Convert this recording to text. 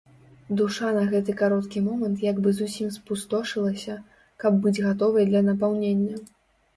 Душа на гэты кароткі момант як бы зусім спустошылася, каб быць гатовай для напаўнення.